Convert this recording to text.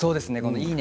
「いいね！